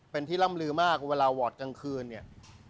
เป็นที่ร่ำลือมากเวลาวอร์ดกลางคืนเนี่ย